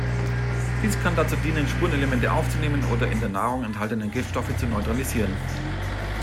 Dies kann dazu dienen, Spurenelemente aufzunehmen oder in der Nahrung enthaltenen Giftstoffe zu neutralisieren.